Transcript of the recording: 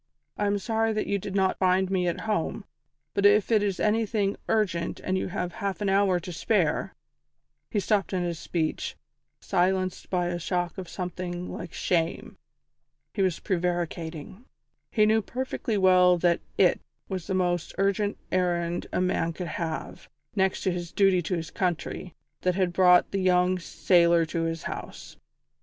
I am sorry that you did not find me at home, but if it is anything urgent and you have half an hour to spare " He stopped in his speech, silenced by a shock of something like shame. He was prevaricating. He knew perfectly well that "it" was the most urgent errand a man could have, next to his duty to his country, that had brought the young sailor to his house.